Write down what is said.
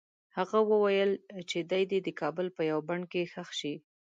هغه وویل چې دی دې د کابل په یوه بڼ کې ښخ شي.